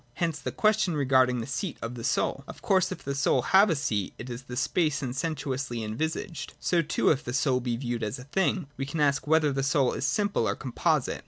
Hence the question regard ing the seat of the soul. Of course, if the soul have a seat, it is in space and sensuously envisaged. So, too, if the soul be viewed as a thing, we can ask whether the soul is simple or composite.